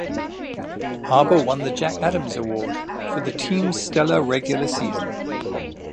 Arbour won the Jack Adams Award for the team's stellar regular season.